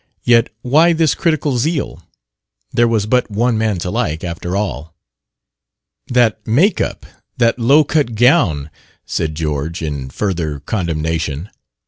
Yet why this critical zeal? There was but one man to like, after all. "That make up! That low cut gown!" said George, in further condemnation.